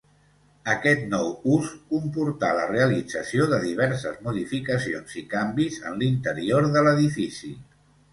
Aquest nou ús comportà la realització de diverses modificacions i canvis en l'interior de l'edifici.